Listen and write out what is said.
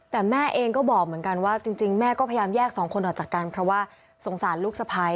แต่แม่เองก็บอกเหมือนกันว่าจริงแม่ก็พยายามแยกสองคนออกจากกันเพราะว่าสงสารลูกสะพ้าย